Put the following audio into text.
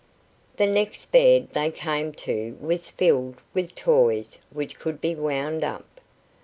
The next bed they came to was filled with toys which could be wound up.